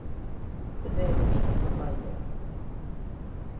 The day of the week is beside it.